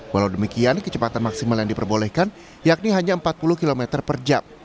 walau demikian kecepatan maksimal yang diperbolehkan yakni hanya empat puluh km per jam